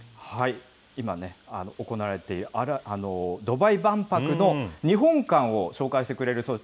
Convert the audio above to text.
今ね、行われているドバイ万博の日本館を紹介してくれるそうです。